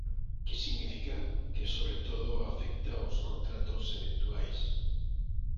¿Que significa?, que sobre todo afecta os contratos eventuais.